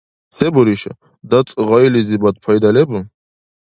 Се буриша? ДацӀ гъайлизибад пайда лебу?